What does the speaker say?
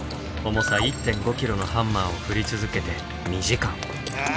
重さ１．５キロのハンマーを振り続けて２時間。